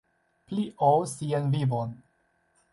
Pli ol sian vivon.